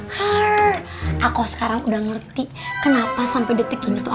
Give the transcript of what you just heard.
hah aku sekarang udah ngerti kenapa sampai detik ini tuh